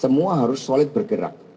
semua harus solid bergerak